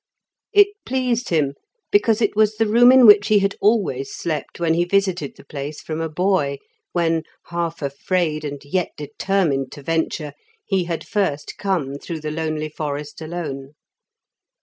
It pleased him, because it was the room in which he had always slept when he visited the place from a boy, when, half afraid and yet determined to venture, he had first come through the lonely forest alone.